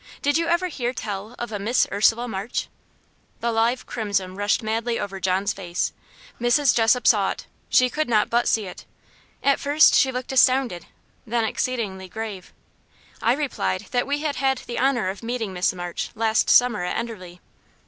Did you ever hear tell of a Miss Ursula March?" The live crimson rushed madly over John's face. Mrs. Jessop saw it; she could not but see. At first she looked astounded, then exceedingly grave. I replied, "that we had had the honour of meeting Miss March last summer at Enderley."